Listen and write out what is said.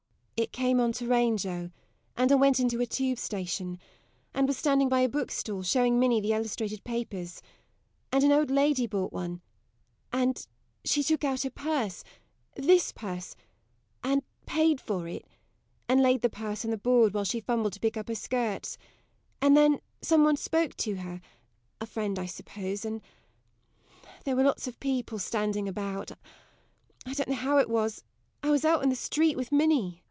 MARY. It came on to rain, Joe and I went into a Tube Station and was standing by a bookstall, showing Minnie the illustrated papers and an old lady bought one and she took out her purse this purse and paid for it and laid the purse on the board while she fumbled to pick up her skirts and then some one spoke to her a friend, I suppose and there were lots of people standing about I don't know how it was I was out in the street, with Minnie JOE.